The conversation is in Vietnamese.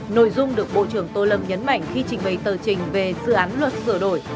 nội dung được bộ trưởng tô lâm nhấn mạnh khi trình bày tờ trình về dự án luật sửa đổi